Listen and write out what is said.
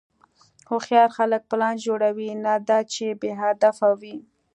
هوښیار خلک پلان جوړوي، نه دا چې بېهدفه وي.